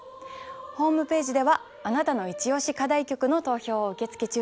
ホームページではあなたのイチオシ課題曲の投票を受け付け中です。